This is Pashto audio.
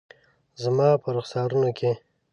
زما په رخسارونو کې